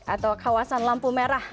atau kawasan lampu merah